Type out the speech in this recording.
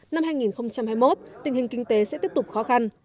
năm hai nghìn hai mươi một tình hình kinh tế sẽ tiếp tục khó khăn